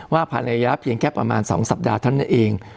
ภายในระยะเพียงแค่ประมาณ๒สัปดาห์เท่านั้นเอง